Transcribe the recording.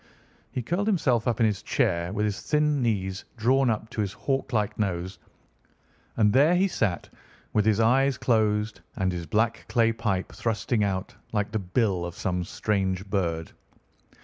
He curled himself up in his chair, with his thin knees drawn up to his hawk like nose, and there he sat with his eyes closed and his black clay pipe thrusting out like the bill of some strange bird.